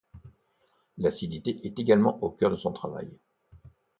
L'acidité est également au cœur de son travail.